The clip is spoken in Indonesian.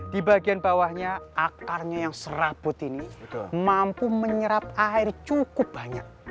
di bagian bawahnya akarnya yang serabut ini mampu menyerap air cukup banyak